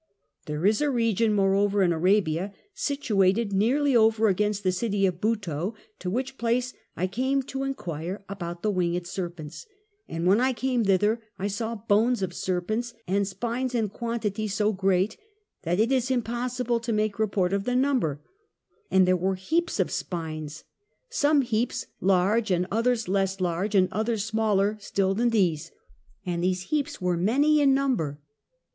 There is a region moreover in Arabia, situated nearly over against the city of Buto, to which place I came to inquire about the winged serpents: and when I came thither I saw bones of serpents and spines in quantity so great that it is impossible to make report of the number, and there were heaps of spines, some heaps large and others less large and others smaller still than these, and these heaps were many in number.